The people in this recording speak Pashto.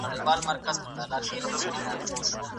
په وجود كي ده